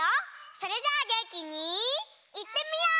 それじゃあげんきにいってみよう！